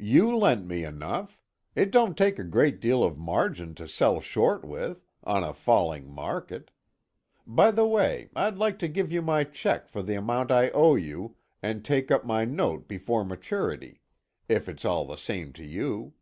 "You lent me enough. It don't take a great deal of margin to sell short with, on a falling market. By the way, I'd like to give you my check for the amount I owe you, and take up my note before maturity, if it's all the same to you.